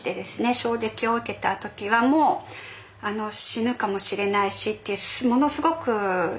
衝撃を受けた時はもう死ぬかもしれないしってものすごく恐怖でした。